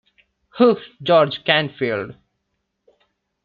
Hugh George Canfield.